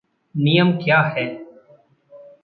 नियम क्या है?